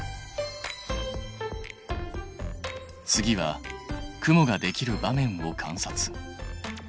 次は雲ができる場面を観察。